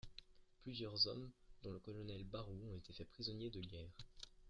Plusieurs hommes dont le colonel Barrou ont été faits prisonniers de guerre.